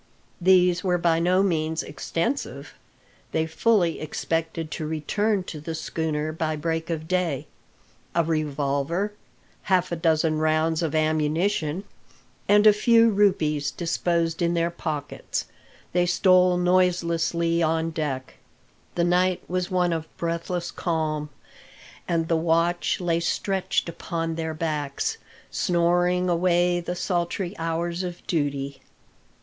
These were by no means extensive: they fully expected to return to the schooner by break of day. A revolver, half a dozen rounds of ammunition, and a few rupees disposed in their pockets, they stole noiselessly on deck. The night was one of breathless calm, and the watch lay stretched upon their backs, snoring away the sultry hours of duty.